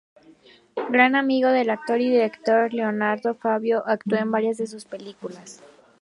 Gran amigo del actor y director Leonardo Favio, actuó en varias de sus películas.